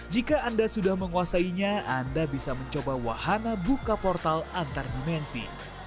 jika anda sudah menguasainya anda bisa mencoba wahana buka portal antar dimensi